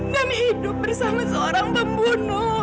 dan hidup bersama seorang pembunuh